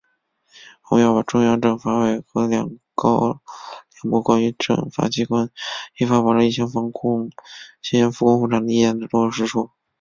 我们要把中央政法委和‘两高两部’《关于政法机关依法保障疫情防控期间复工复产的意见》落到实处